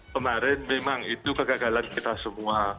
kemarin memang itu kegagalan kita semua